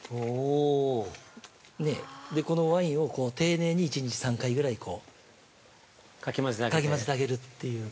このワインを丁寧に１日３回ぐらいかき混ぜてあげるっていう。